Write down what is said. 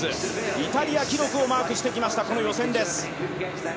イタリア記録をマークしてきました、予選です。